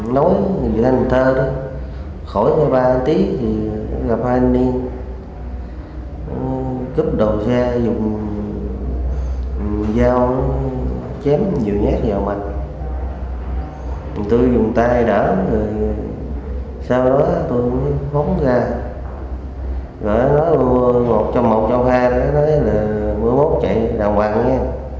rồi nói một trong một trong hai nói là mỗi mốt chạy đào hoàng nha lúc đó tôi la người quen mới bỏ chạy về